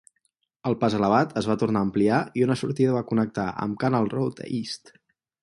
El pas elevat es va tornar a ampliar i una sortida va connectar amb Canal Road East.